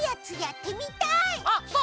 あっそう？